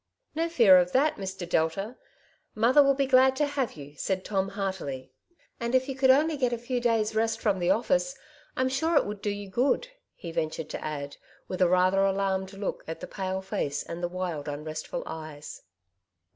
^' No fear of that, Mr. Delta. Mother will be glad to have you," said Tom heartily •,^' ^^'^M ^^'^^ I go " Two Sides to every Question^ could only get a few days' rest from the office, I'm sure it would do you good," lie ventured to add, with a rather alarmed look at the pale face and the wild, unresfcful eyes.